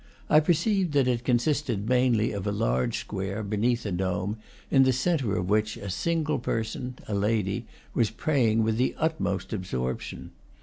I perceived that it consisted mainly of a large square, beneath a dome, in the centre of which a single person a lady was praying with the utmost absorption.